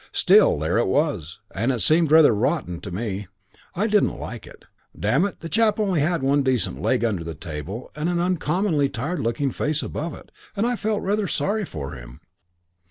Still, there it was, and it seemed rather rotten to me. I didn't like it. Damn it, the chap only had one decent leg under the table and an uncommonly tired looking face above it, and I felt rather sorry for him."